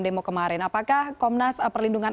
demo kemarin apakah komnas perlindungan